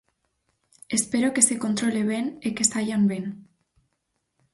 Espero que se controle ben e que saian ben.